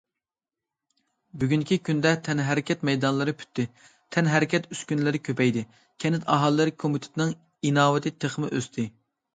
بۈگۈنكى كۈندە تەنھەرىكەت مەيدانلىرى پۈتتى، تەنھەرىكەت ئۈسكۈنىلىرى كۆپەيدى، كەنت ئاھالىلەر كومىتېتىنىڭ ئىناۋىتى تېخىمۇ ئۆستى.